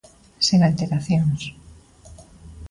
Sen alteracións.